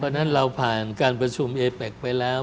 เพราะฉะนั้นเราผ่านการประชุมเอเป็กไปแล้ว